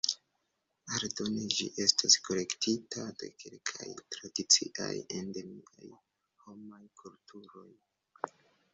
Aldone, ĝi estas kolektita de kelkaj tradiciaj endemiaj homaj kulturoj.